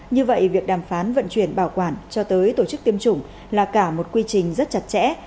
như vậy việc đàm phán vận chuyển bảo quản cho tới tổ chức tiêm chủng là cả một quy trình rất chặt chẽ